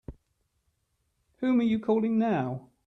Whom are you calling now?